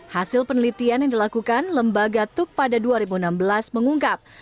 hasil penelitian yang dilakukan lembaga tuk pada dua ribu enam belas mengungkap